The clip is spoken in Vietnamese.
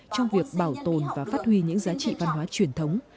trong việc bảo tồn và phát huy những giá trị văn hóa truyền thống